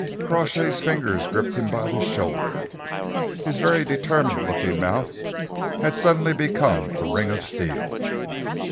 Crawshay's fingers gripped him by the shoulder. His very determined looking mouth had suddenly become a ring of steel.